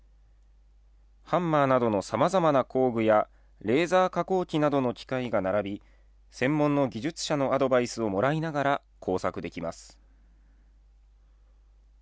ハンマーなどのさまざまな工具やレーザー加工機などの機械が並び、専門の技術者のアドバイスをもらいながら工作できます。